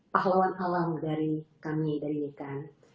pahlawan alam dari kami dari nikah